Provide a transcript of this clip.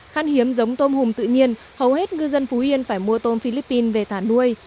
khăn hiếm giống tôm hùm tự nhiên hầu hết ngư dân phú yên phải mua tôm philippines về thả nuôi